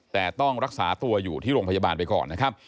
แต่ต้องรักษาตัวอยู่ที่โรงพยาบาลไปก่อนนะครับ